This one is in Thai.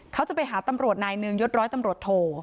เขาจะไปหาตำรวจนายหนึ่งยดร้อยตำรวจโท